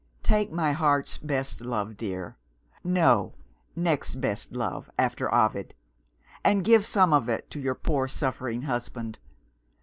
"Take my heart's best love, dear no, next best love, after Ovid! and give some of it to your poor suffering husband.